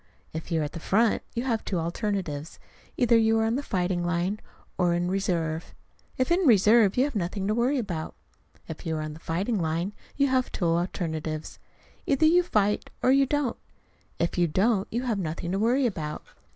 If you are at the front, you have two alternatives: either you are on the fighting line or in reserve. If in reserve, you have nothing to worry about. If you are on the fighting line, you have two alternatives: either you fight or you don't. If you don't, you have nothing to worry about.